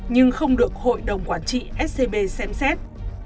nhưng không được hội đồng quản trị scb xem xét